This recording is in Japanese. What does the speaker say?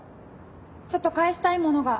ちょっと返したいものが。